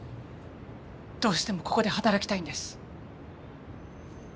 どうしてもここで働きたいんです。